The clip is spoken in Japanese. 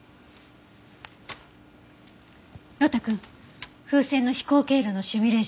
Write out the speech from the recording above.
呂太くん風船の飛行経路のシミュレーション